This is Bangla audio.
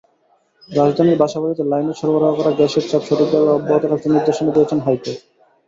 রাজধানীর বাসাবাড়িতে লাইনে সরবরাহ করা গ্যাসের চাপ সঠিকভাবে অব্যাহত রাখতে নির্দেশনা দিয়েছেন হাইকোর্ট।